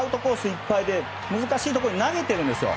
いっぱいで難しいところに投げてるんです。